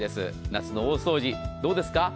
夏の大掃除、どうですか？